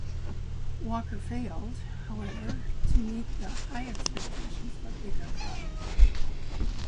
Walker failed, however, to meet the high expectations of a bigger club.